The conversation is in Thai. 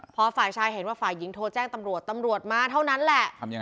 พอฝ่ายชายเห็นว่าฝ่ายหญิงโทรแจ้งตำรวจตำรวจมาเท่านั้นแหละ